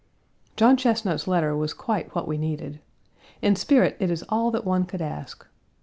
John Chesnut's letter was quite what we needed. In spirit it is all that one could ask.